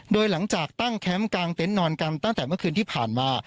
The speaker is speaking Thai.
โดยหลังจากตั้งแคมป์กลางเต็นต์นอนกันตั้งแต่เมื่อคืนที่ผ่านมา